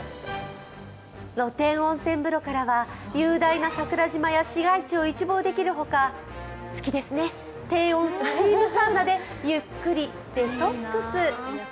露天温泉風呂からは雄大な桜島や市街地を一望できるほか、好きですね、低温スチームサウナでゆっくりデトックス。